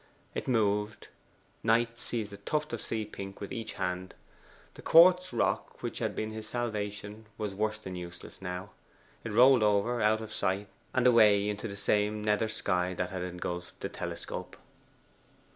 It moved. Knight seized a tuft of sea pink with each hand. The quartz rock which had been his salvation was worse than useless now. It rolled over, out of sight, and away into the same nether sky that had engulfed the telescope.